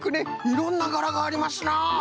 いろんながらがありますな。